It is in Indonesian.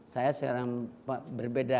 saya seorang berbeda